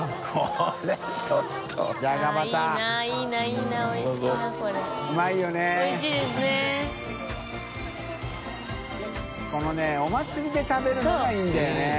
海里お祭りで食べるのがいいんだよね。